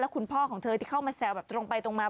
คุณพ่อของเธอที่เข้ามาแซวแบบตรงไปตรงมา